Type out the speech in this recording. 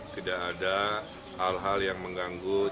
tidak ada hal hal yang mengganggu